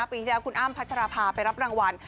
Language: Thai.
ปีที่ถ้าอ้าวคุณอ้างพัชรภาพไปรับรางวัล